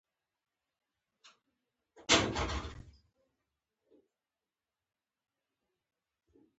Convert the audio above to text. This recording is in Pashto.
یوازې د سیاسي ازادیو په برخه کې پرمختګ کړی و.